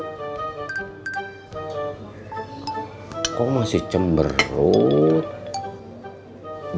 besok papa masakin sambal keseluruhan ya